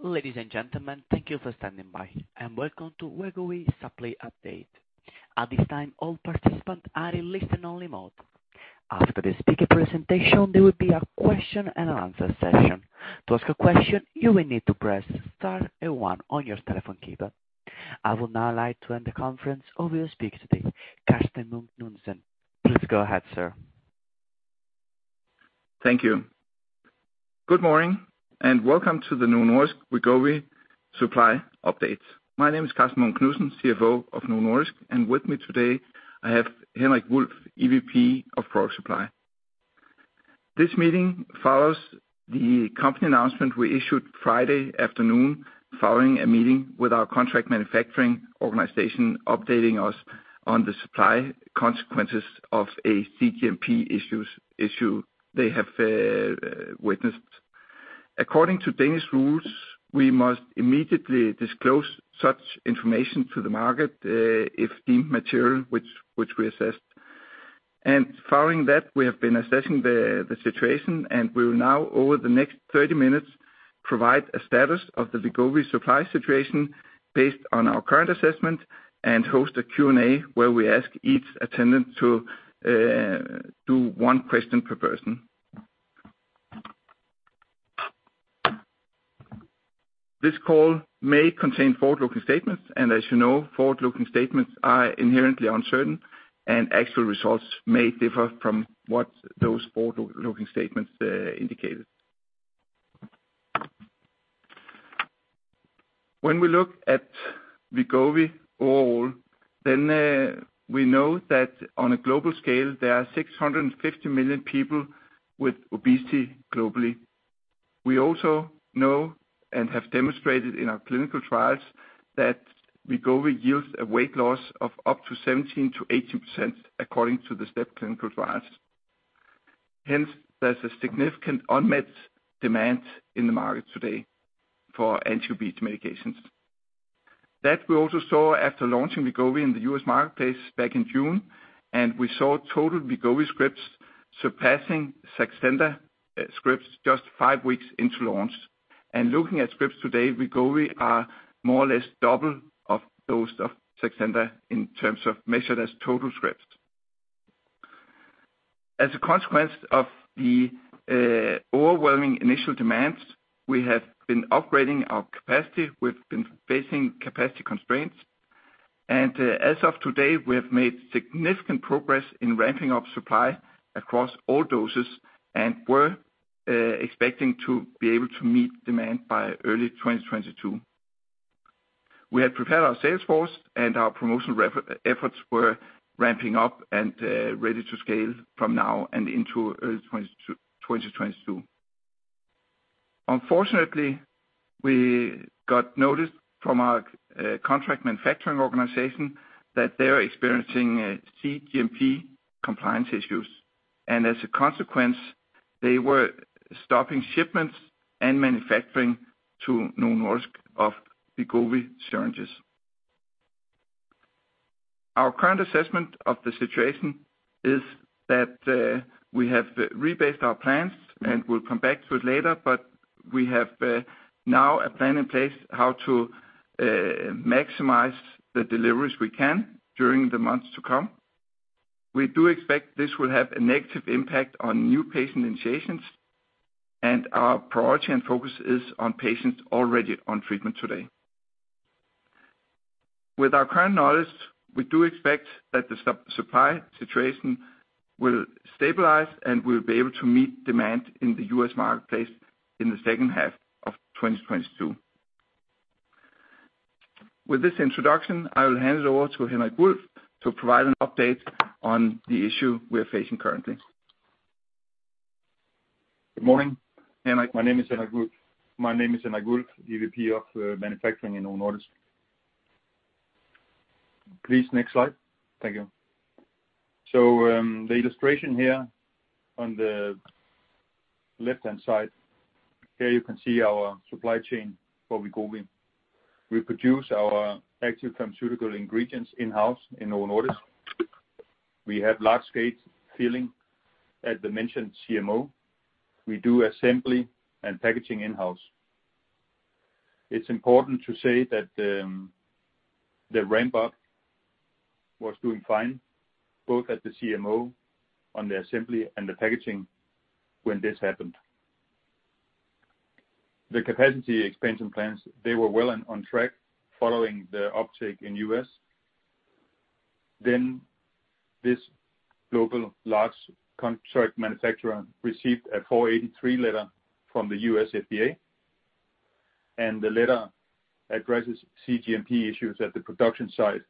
Ladies and gentlemen, thank you for standing by, and welcome to Wegovy Supply Update. At this time, all participants are in listen only mode. After the speaker presentation, there will be a question and answer session. To ask a question, you will need to press star and one on your telephone keypad. I will now turn the conference over to the speaker today, Karsten Munk Knudsen. Please go ahead, sir. Thank you. Good morning, and welcome to the Novo Nordisk Wegovy Supply Update. My name is Karsten Munk Knudsen, CFO of Novo Nordisk, and with me today, I have Henrik Wulff, EVP of Product Supply. This meeting follows the company announcement we issued Friday afternoon following a meeting with our contract manufacturing organization, updating us on the supply consequences of a CGMP issue they have witnessed. According to Danish rules, we must immediately disclose such information to the market if deemed material, which we assessed. Following that, we have been assessing the situation, and we will now over the next 30 minutes provide a status of the Wegovy supply situation based on our current assessment, and host a Q&A where we ask each attendant to do one question per person. This call may contain forward-looking statements, and as you know, forward-looking statements are inherently uncertain and actual results may differ from what those forward-looking statements indicated. When we look at Wegovy overall, then we know that on a global scale, there are 650 million people with obesity globally. We also know and have demonstrated in our clinical trials that Wegovy yields a weight loss of up to 17%-18% according to the STEP clinical trials. Hence, there's a significant unmet demand in the market today for anti-obesity medications. That we also saw after launching Wegovy in the U.S. marketplace back in June, and we saw total Wegovy scripts surpassing Saxenda scripts just five weeks into launch. Looking at scripts today, Wegovy are more or less double of those of Saxenda in terms of measured as total scripts. As a consequence of the overwhelming initial demands, we have been upgrading our capacity. We've been facing capacity constraints. As of today, we have made significant progress in ramping up supply across all doses and we're expecting to be able to meet demand by early 2022. We have prepared our sales force and our promotional efforts were ramping up and ready to scale from now and into early 2022. Unfortunately, we got notice from our contract manufacturing organization that they're experiencing CGMP compliance issues. As a consequence, they were stopping shipments and manufacturing to Novo Nordisk of Wegovy syringes. Our current assessment of the situation is that we have rebased our plans, and we'll come back to it later, but we have now a plan in place how to maximize the deliveries we can during the months to come. We do expect this will have a negative impact on new patient initiations, and our priority and focus is on patients already on treatment today. With our current knowledge, we do expect that the supply situation will stabilize, and we'll be able to meet demand in the U.S. marketplace in the second half of 2022. With this introduction, I will hand it over to Henrik Wulff to provide an update on the issue we're facing currently. Good morning. Henrik, my name is Henrik Wulff, EVP of manufacturing in Novo Nordisk. Please next slide. Thank you. The illustration here on the left-hand side, here you can see our supply chain for Wegovy. We produce our active pharmaceutical ingredients in-house in Novo Nordisk. We have large-scale filling at the mentioned CMO. We do assembly and packaging in-house. It's important to say that the ramp-up was doing fine, both at the CMO on the assembly and the packaging when this happened. The capacity expansion plans, they were well on track following the uptake in U.S. This global large contract manufacturer received a Form 483 letter from the U.S. FDA, and the letter addresses CGMP issues at the production site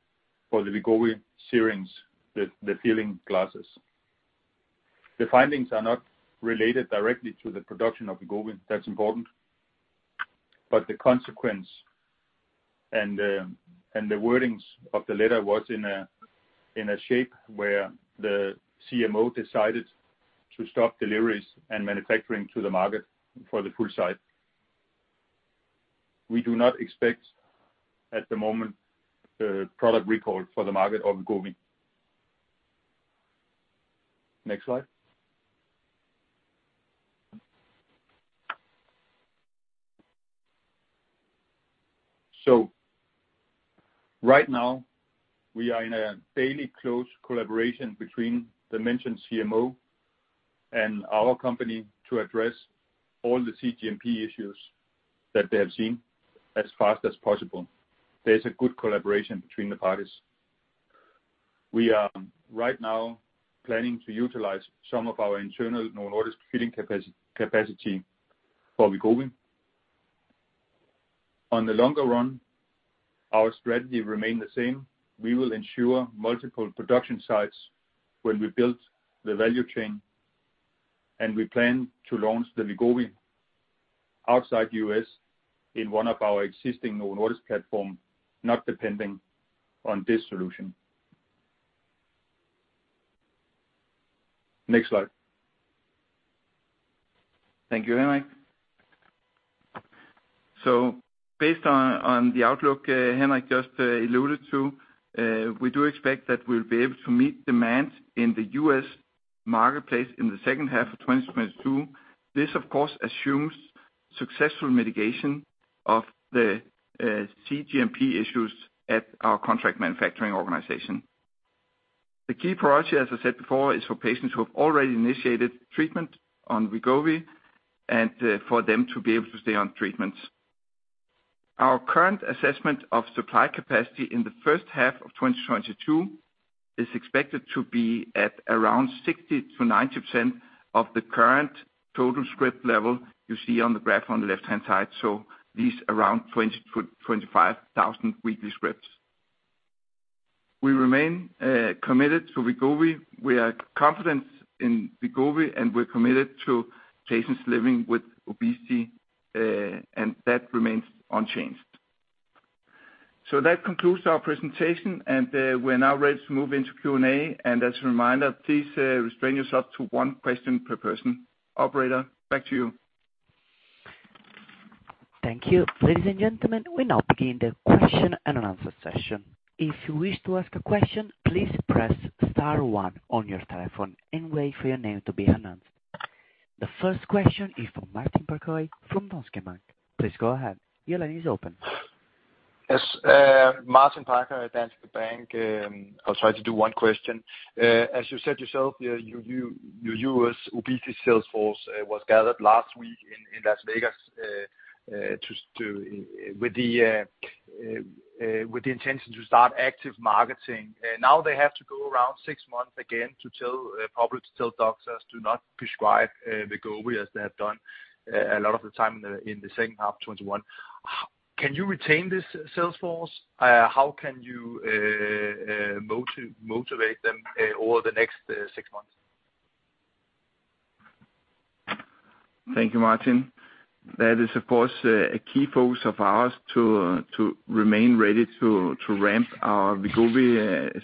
for the Wegovy syringes, the filling glasses. The findings are not related directly to the production of Wegovy. That's important. The consequence and the wordings of the letter was in a shape where the CMO decided to stop deliveries and manufacturing to the market for the full site. We do not expect at the moment a product recall for the market of Wegovy. Next slide. Right now we are in a daily close collaboration between the mentioned CMO and our company to address all the CGMP issues that they have seen as fast as possible. There's a good collaboration between the parties. We are right now planning to utilize some of our internal Novo Nordisk filling capacity for Wegovy. On the longer run, our strategy remain the same. We will ensure multiple production sites when we build the value chain, and we plan to launch the Wegovy outside U.S. in one of our existing Novo Nordisk platform, not depending on this solution. Next slide. Thank you, Henrik. Based on the outlook, Henrik just alluded to, we do expect that we'll be able to meet demand in the U.S. marketplace in the second half of 2022. This of course assumes successful mitigation of the CGMP issues at our contract manufacturing organization. The key priority, as I said before, is for patients who have already initiated treatment on Wegovy and for them to be able to stay on treatments. Our current assessment of supply capacity in the first half of 2022 is expected to be at around 60%-90% of the current total script level you see on the graph on the left-hand side, so these around 20,000-25,000 weekly scripts. We remain committed to Wegovy. We are confident in Wegovy, and we're committed to patients living with obesity, and that remains unchanged. That concludes our presentation, and we're now ready to move into Q&A. As a reminder, please restrain yourself to one question per person. Operator, back to you. Thank you. Ladies and gentlemen, we now begin the question and answer session. If you wish to ask a question, please press star one on your telephone and wait for your name to be announced. The first question is from Martin Parkhøi from Danske Bank. Please go ahead. Your line is open. Yes. Martin Parkhøi at Danske Bank. I'll try to do one question. As you said yourself, your U.S. obesity sales force was gathered last week in Las Vegas with the intention to start active marketing. Now they have to go around six months again to tell patients, to tell doctors to not prescribe Wegovy as they have done a lot of the time in the second half 2021. Can you retain this sales force? How can you motivate them over the next six months? Thank you, Martin. That is, of course, a key focus of ours to remain ready to ramp our Wegovy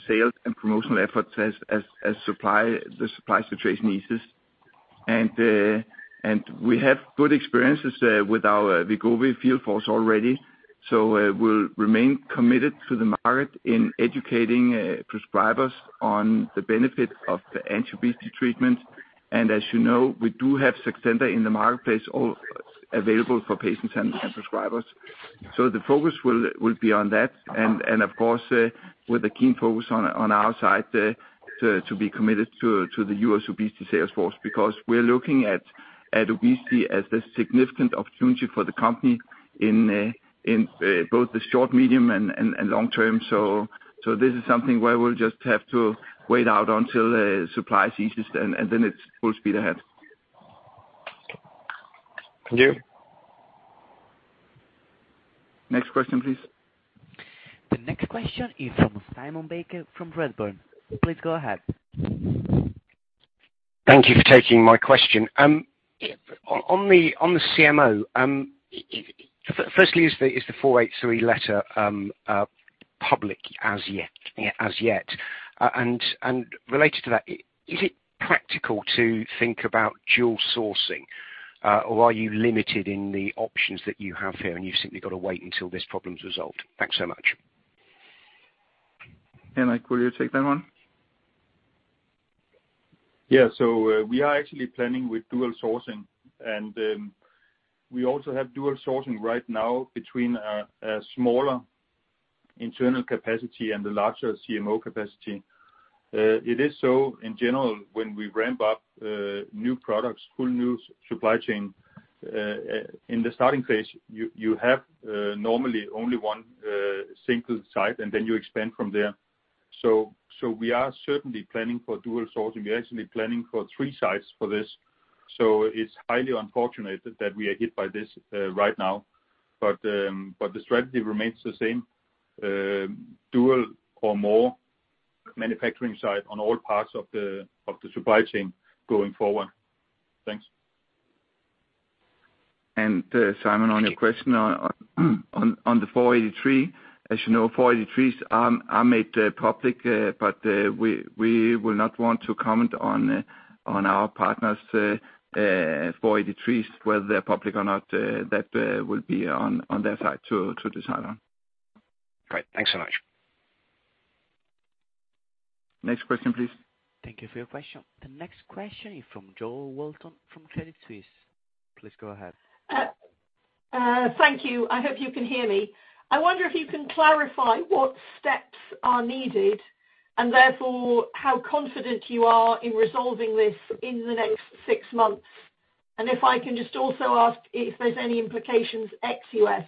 sales and promotional efforts as the supply situation eases. We have good experiences with our Wegovy field force already. We'll remain committed to the market in educating prescribers on the benefit of the anti-obesity treatment. As you know, we do have Saxenda in the marketplace available for patients and prescribers. The focus will be on that and, of course, with a keen focus on our side to be committed to the U.S. obesity sales force, because we're looking at obesity as a significant opportunity for the company in both the short, medium and long term. This is something where we'll just have to wait out until supply ceases and then it's full speed ahead. Thank you. Next question, please. The next question is from Simon Baker from Redburn. Please go ahead. Thank you for taking my question. On the CMO, firstly, is the Form 483 letter public as yet? Related to that, is it practical to think about dual sourcing, or are you limited in the options that you have here and you've simply got to wait until this problem's resolved? Thanks so much. Henrik, will you take that one? Yeah. We are actually planning with dual sourcing and we also have dual sourcing right now between a smaller internal capacity and the larger CMO capacity. It is so in general, when we ramp up new products, full new supply chain in the starting phase, you have normally only one single site, and then you expand from there. We are certainly planning for dual sourcing. We are actually planning for three sites for this. It's highly unfortunate that we are hit by this right now, but the strategy remains the same. Dual or more manufacturing site on all parts of the supply chain going forward. Thanks. Simon, on your question on the Form 483. As you know, Forms 483 are made public, but we will not want to comment on our partners' Forms 483, whether they're public or not. That will be on their side to decide on. Great. Thanks so much. Next question, please. Thank you for your question. The next question is from Jo Walton from Credit Suisse. Please go ahead. Thank you. I hope you can hear me. I wonder if you can clarify what steps are needed and therefore how confident you are in resolving this in the next six months. If I can just also ask if there's any implications ex-U.S.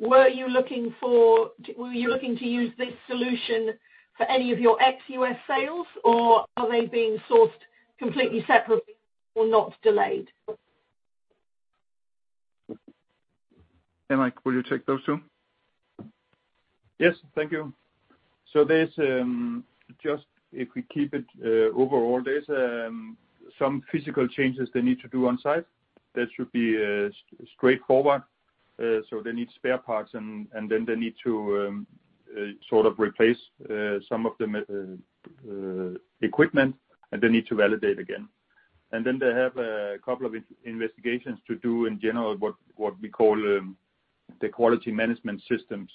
Were you looking to use this solution for any of your ex-U.S. sales, or are they being sourced completely separate or not delayed? Henrik, will you take those two? Yes. Thank you. There's just if we keep it overall, some physical changes they need to do on site. That should be straightforward. They need spare parts and then they need to sort of replace some of the equipment, and they need to validate again. They have a couple of investigations to do in general, what we call the quality management systems.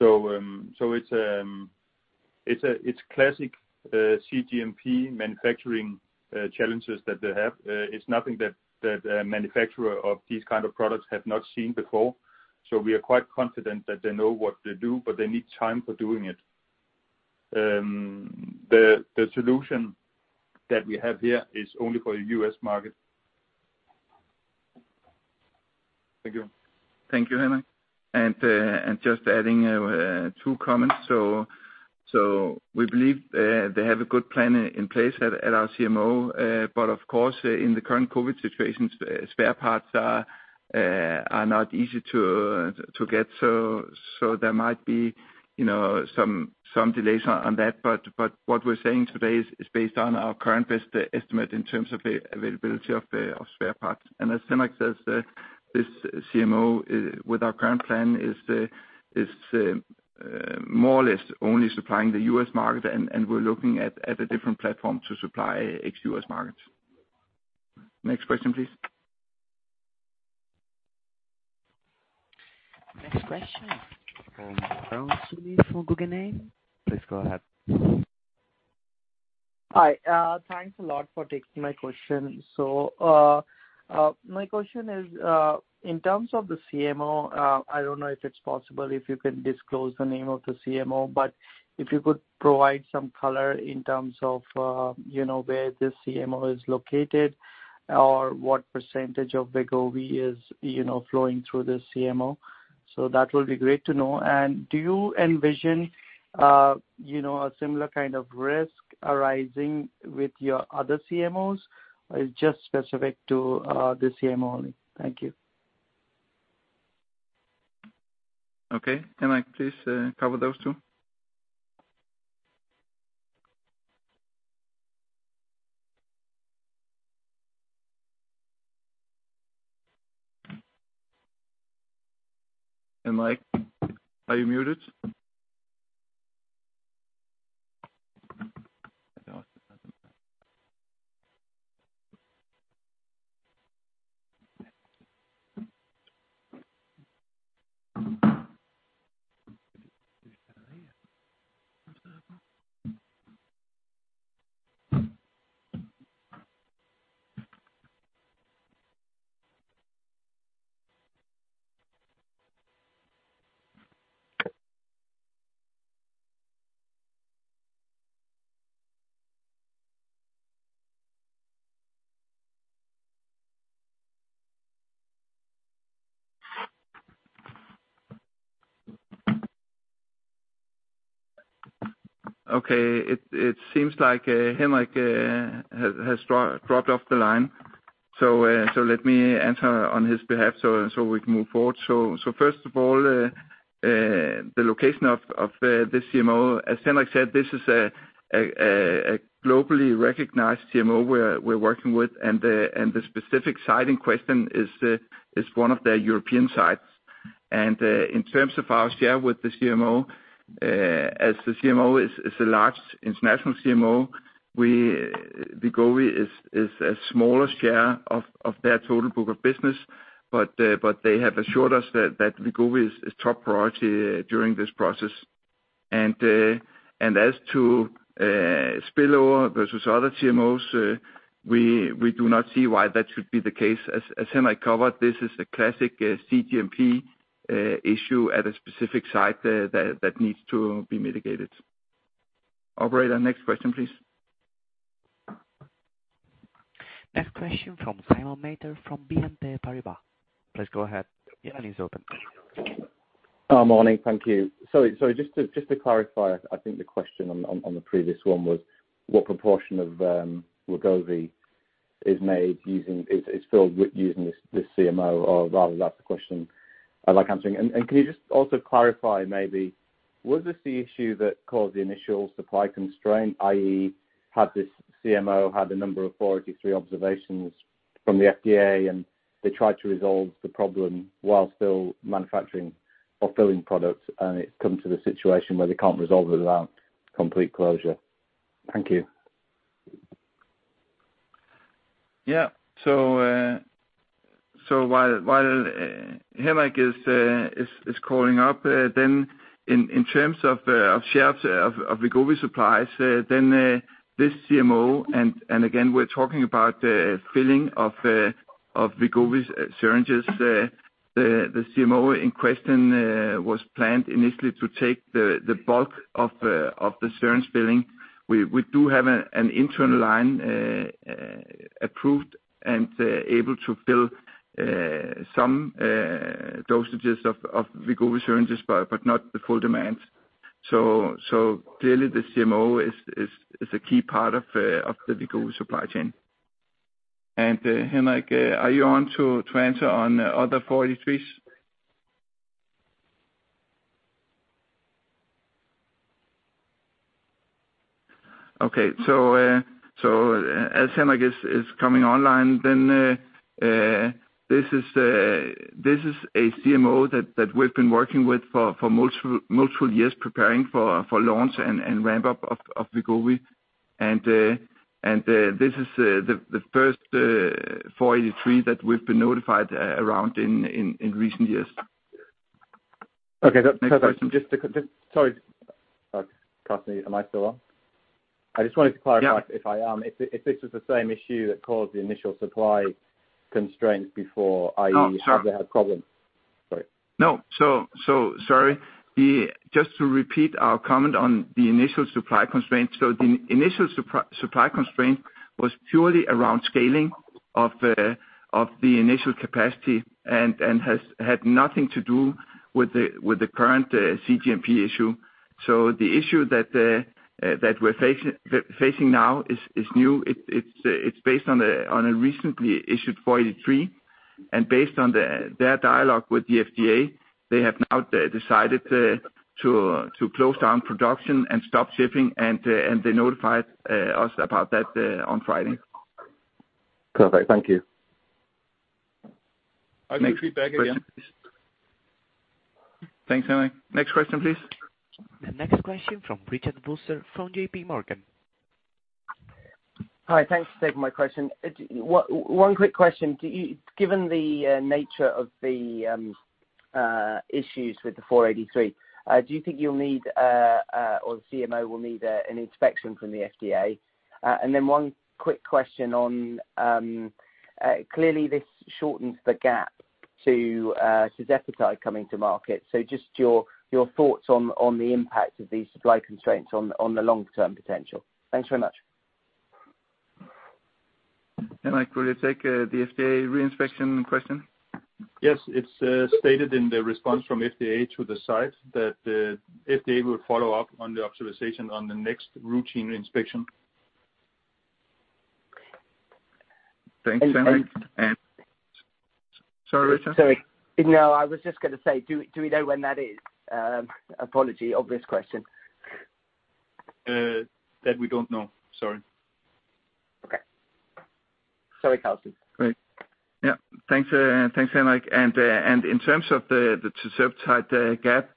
It's classic CGMP manufacturing challenges that they have. It's nothing that a manufacturer of these kind of products have not seen before. We are quite confident that they know what to do, but they need time for doing it. The solution that we have here is only for the U.S. market. Thank you. Thank you, Henrik. Just adding two comments. We believe they have a good plan in place at our CMO. Of course, in the current COVID situations, spare parts are not easy to get. There might be, you know, some delays on that. What we're saying today is based on our current estimate in terms of availability of spare parts. As Henrik says, this CMO with our current plan is more or less only supplying the U.S. market, and we're looking at a different platform to supply ex-U.S. markets. Next question, please. Next question from Raoul Sili from Guggenheim. Please go ahead. Hi. Thanks a lot for taking my question. My question is, in terms of the CMO, I don't know if it's possible if you can disclose the name of the CMO, but if you could provide some color in terms of, you know, where this CMO is located or what percentage of Wegovy is, you know, flowing through this CMO. That will be great to know. Do you envision, you know, a similar kind of risk arising with your other CMOs or just specific to this CMO only? Thank you. Okay. Henrik, please, cover those two. Hey, Mike, are you muted? Okay. It seems like Henrik has dropped off the line. Let me answer on his behalf so we can move forward. First of all, the location of this CMO, as Henrik said, this is a globally recognized CMO we're working with. The specific site in question is one of their European sites. In terms of our share with this CMO, as the CMO is a large international CMO, Wegovy is a smaller share of their total book of business. They have assured us that Wegovy is top priority during this process. As to spillover versus other CMOs, we do not see why that should be the case. As Henrik covered, this is a classic CGMP issue at a specific site that needs to be mitigated. Operator, next question, please. Next question from Simon Mather from BNP Paribas. Please go ahead. Yeah, line is open. Morning. Thank you. Sorry, just to clarify, I think the question on the previous one was what proportion of Wegovy is filled with using this CMO, or rather that's the question I'd like answering. Can you just also clarify maybe, was this the issue that caused the initial supply constraint, i.e. had this CMO had a number of Form 483 observations from the FDA, and they tried to resolve the problem while still manufacturing or filling products, and it's come to the situation where they can't resolve it without complete closure? Thank you. Yeah. While Henrik is calling up, then in terms of shelves of Wegovy supplies, then this CMO and again, we're talking about filling of Wegovy's syringes, the CMO in question was planned initially to take the bulk of the syringe filling. We do have an internal line approved and able to fill some dosages of Wegovy syringes but not the full demand. Clearly the CMO is a key part of the Wegovy supply chain. Henrik, are you on to answer on other Form 483s? Okay. As Henrik is coming online, then this is a CMO that we've been working with for multiple years preparing for launch and ramp up of Wegovy. This is the first Form 483 that we've been notified about in recent years. Okay. Next question. Sorry. Karsten, am I still on? I just wanted to clarify. Yeah. If this was the same issue that caused the initial supply constraints before, i.e. Oh, sorry. Have had problems. Sorry. No. Sorry. To just repeat our comment on the initial supply constraint. The initial supply constraint was purely around scaling of the initial capacity and had nothing to do with the current CGMP issue. The issue that we're facing now is new. It's based on a recently issued Form 483, and based on their dialogue with the FDA, they have now decided to close down production and stop shipping, and they notified us about that on Friday. Perfect. Thank you. Next question, please. I can feedback again. Thanks, Henrik. Next question, please. The next question from Richard Vosser from J.P. Morgan. Hi. Thanks for taking my question. One quick question. Given the nature of the issues with the Form 483, do you think you'll need or the CMO will need an inspection from the FDA? One quick question on clearly this shortens the gap to tirzepatide coming to market. Just your thoughts on the impact of these supply constraints on the long-term potential. Thanks very much. Henrik, will you take the FDA re-inspection question? Yes. It's stated in the response from FDA to the site that FDA will follow up on the observation on the next routine inspection. Thanks, Henrik. And, and- Sorry, Richard. Sorry. No, I was just going to say, do we know when that is? Apologies, obvious question. That we don't know. Sorry. Okay. Sorry, Carsten. Great. Yeah. Thanks, Henrik. In terms of the tirzepatide gap,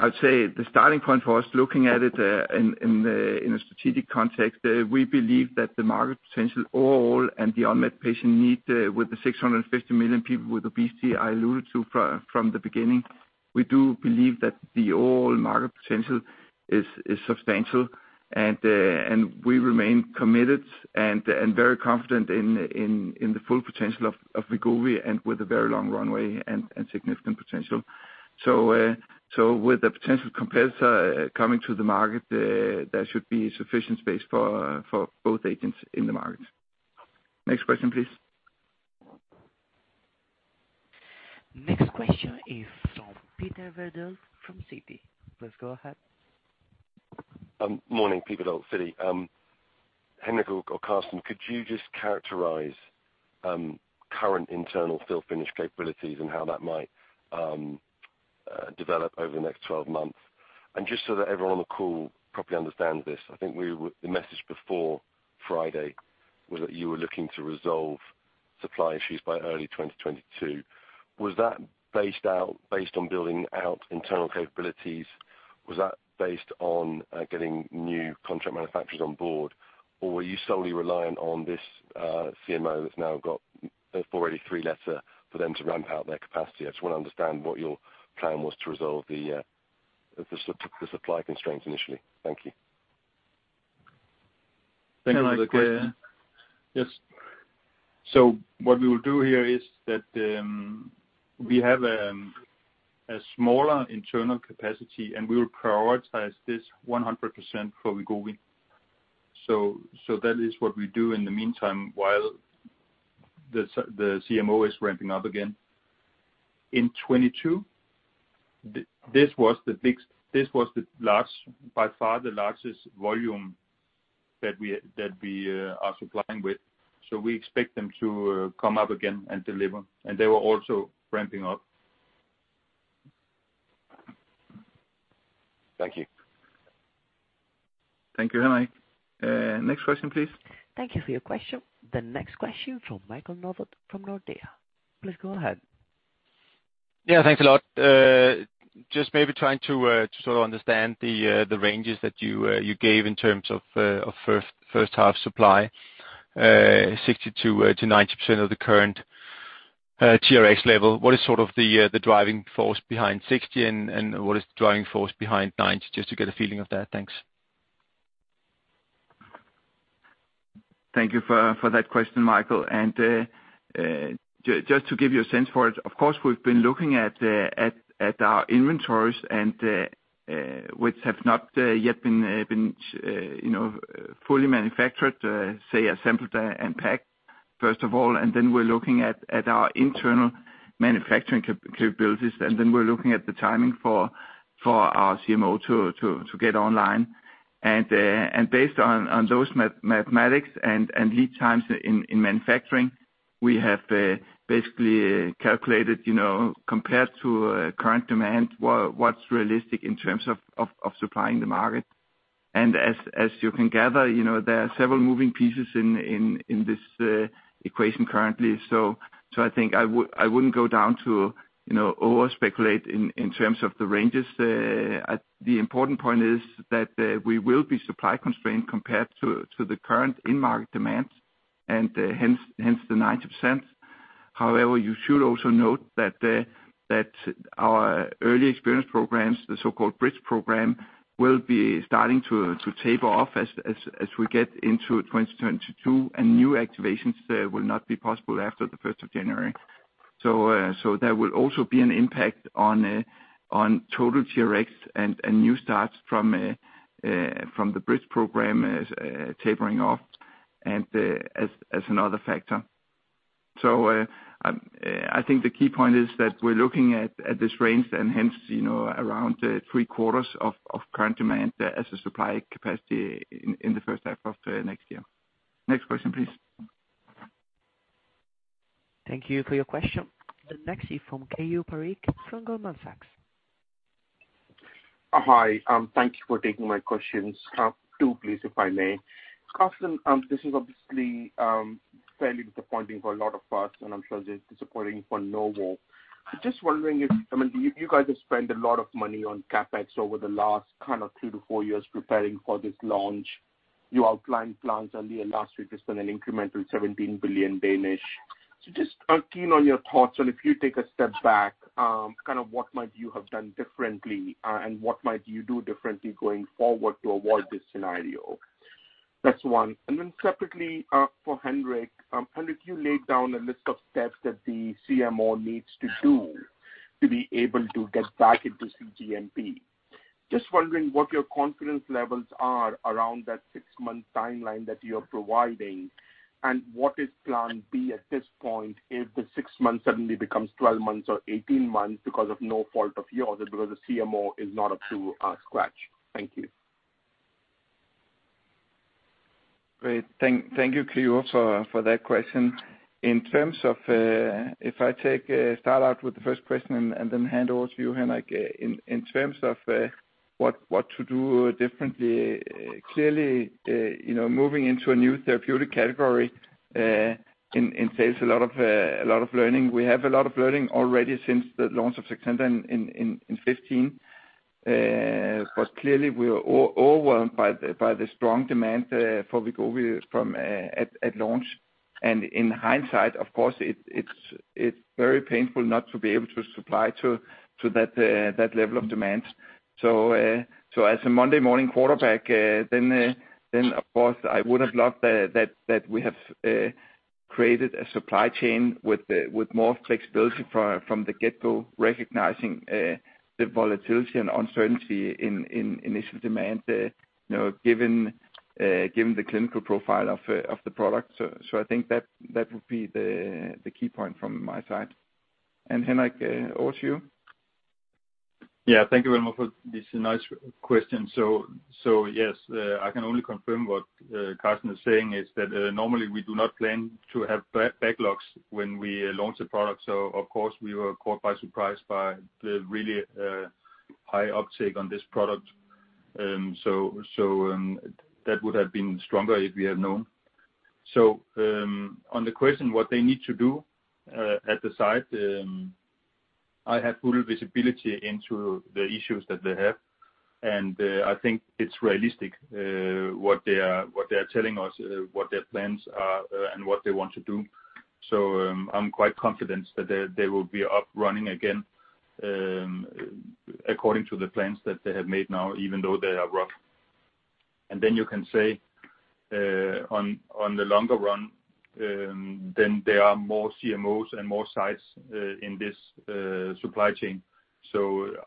I would say the starting point for us looking at it in a strategic context, we believe that the market potential overall and the unmet patient need with the 650 million people with obesity I alluded to from the beginning. We do believe that the overall market potential is substantial. We remain committed and very confident in the full potential of Wegovy and with a very long runway and significant potential. With the potential competitor coming to the market, there should be sufficient space for both agents in the market. Next question, please. Next question is from Peter Verdult from Citi. Please go ahead. Morning, Peter Verdult, Citi. Henrik or Carsten, could you just characterize current internal fill finish capabilities and how that might develop over the next 12 months? Just so that everyone on the call properly understands this, I think we were—the message before Friday was that you were looking to resolve supply issues by early 2022. Was that based on building out internal capabilities? Was that based on getting new contract manufacturers on board? Or were you solely reliant on this CMO that's now got a Form 483 letter for it to ramp up their capacity? I just want to understand what your plan was to resolve the supply constraints initially. Thank you. Thank you for the question. Henrik. Yes. What we will do here is that we have a smaller internal capacity, and we will prioritize this 100% for Wegovy. That is what we do in the meantime while the CMO is ramping up again. In 2022, this was the large, by far the largest volume that we are supplying with. We expect them to come up again and deliver, and they were also ramping up. Thank you. Thank you, Henrik. Next question, please. Thank you for your question. The next question from Michael Novod from Nordea. Please go ahead. Yeah, thanks a lot. Just maybe trying to sort of understand the ranges that you gave in terms of first half supply, 60%-90% of the current TRX level. What is sort of the driving force behind 60 and what is the driving force behind 90? Just to get a feeling of that. Thanks. Thank you for that question, Michael. Just to give you a sense for it, of course, we've been looking at our inventories and which have not yet been, you know, fully manufactured, say assembled and packed, first of all. We're looking at our internal manufacturing capabilities, and then we're looking at the timing for our CMO to get online. Based on those mathematics and lead times in manufacturing, we have basically calculated, you know, compared to current demand, what's realistic in terms of supplying the market. As you can gather, you know, there are several moving pieces in this equation currently. I think I wouldn't go down to, you know, overspeculate in terms of the ranges. The important point is that we will be supply constrained compared to the current in-market demands and hence the 90%. However, you should also note that our early experience programs, the so-called bridge program, will be starting to taper off as we get into 2022, and new activations will not be possible after the first of January. There will also be an impact on total TRXs and new starts from the bridge program as tapering off and as another factor. I think the key point is that we're looking at this range and hence, you know, around three quarters of current demand as a supply capacity in the first half of next year. Next question, please. Thank you for your question. The next is from Keyur Parekh from Goldman Sachs. Hi, thank you for taking my questions. Two please, if I may. Carsten, this is obviously fairly disappointing for a lot of us, and I'm sure it's disappointing for Novo. Just wondering if, I mean, you guys have spent a lot of money on CapEx over the last kind of two to four years preparing for this launch. You outlined plans earlier last week, just an incremental 17 billion. So just keen on your thoughts on if you take a step back, kind of what might you have done differently, and what might you do differently going forward to avoid this scenario? That's one. And then separately, for Henrik. Henrik, you laid down a list of steps that the CMO needs to do to be able to get back into CGMP. Just wondering what your confidence levels are around that 6-month timeline that you're providing, and what is plan B at this point if the 6 months suddenly becomes 12 months or 18 months because of no fault of yours, because the CMO is not up to scratch. Thank you. Great. Thank you, Keyur, for that question. In terms of I'll start out with the first question and then hand over to you, Henrik. In terms of what to do differently, clearly you know, moving into a new therapeutic category entails a lot of learning. We have a lot of learning already since the launch of Saxenda in 2015. But clearly we are overwhelmed by the strong demand for Wegovy at launch. In hindsight, of course, it's very painful not to be able to supply to that level of demand. As a Monday morning quarterback, of course, I would have loved that we have created a supply chain with more flexibility from the get-go, recognizing the volatility and uncertainty in initial demand, you know, given the clinical profile of the product. I think that would be the key point from my side. Henrik, over to you. Thank you very much for this nice question. Yes, I can only confirm what Carsten is saying is that normally we do not plan to have backlogs when we launch a product. Of course, we were caught by surprise by the really high uptake on this product. That would have been stronger if we had known. On the question what they need to do at the site, I have full visibility into the issues that they have, and I think it's realistic what they are telling us, what their plans are, and what they want to do. I'm quite confident that they will be up and running again according to the plans that they have made now, even though they are rough. You can say on the longer run there are more CMOs and more sites in this supply chain.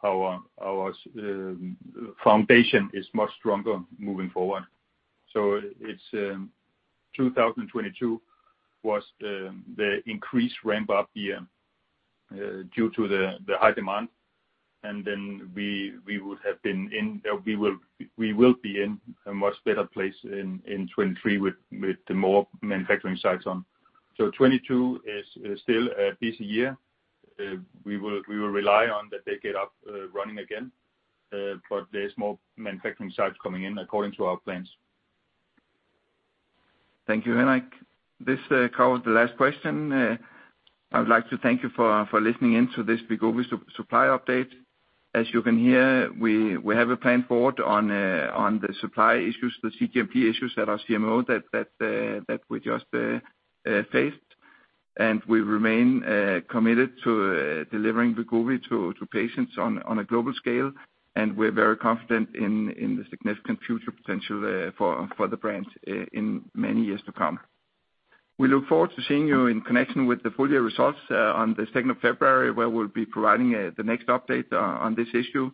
Our foundation is much stronger moving forward. It's 2022 was the increased ramp up year due to the high demand. We will be in a much better place in 2023 with the more manufacturing sites on. 2022 is still a busy year. We will rely on that they get up running again, but there's more manufacturing sites coming in according to our plans. Thank you, Henrik. This covers the last question. I would like to thank you for listening in to this Wegovy supply update. As you can hear, we have a plan forward on the supply issues, the CGMP issues at our CMO that we just faced. We remain committed to delivering Wegovy to patients on a global scale. We're very confident in the significant future potential for the brand in many years to come. We look forward to seeing you in connection with the full year results on the second of February, where we'll be providing the next update on this issue,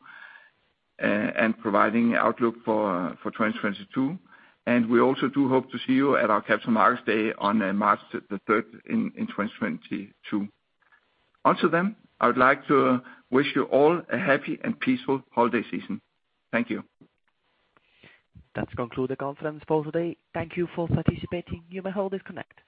and providing outlook for 2022. We also do hope to see you at our Capital Markets Day on March the 3rd in 2022. Until then, I would like to wish you all a happy and peaceful holiday season. Thank you. That concludes the conference for today. Thank you for participating. You may all disconnect.